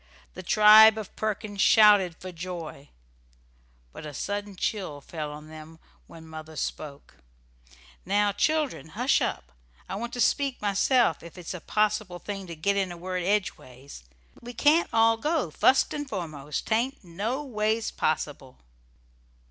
The tribe of Perkins shouted for joy, but a sudden chill fell on them when mother spoke: "Now, children, hush up! I want to speak myself, ef it's a possible thing to git in a word edgeways. We can't all go, fust and foremost. 'Tain't noways possible."